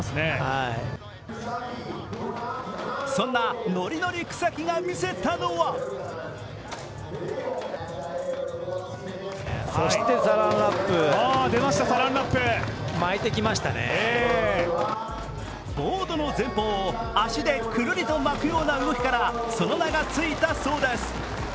そんなノリノリ草木が見せたのはボードの前方を足でくるりと巻くような動きから、その名がついたそうです。